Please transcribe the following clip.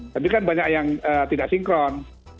tapi kan banyak yang tidak sinkron